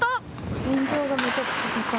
天井がめちゃくちゃ高い。